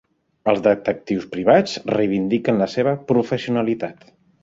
Els detectius privats reivindiquen la seva professionalitat.